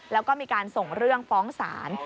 แล้วก็มีการส่งเรื่องฟ้องศาล